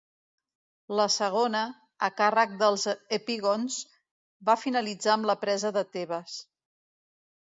La segona, a càrrec dels epígons, va finalitzar amb la presa de Tebes.